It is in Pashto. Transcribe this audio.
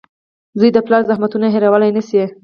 • زوی د پلار زحمتونه هېرولی نه شي.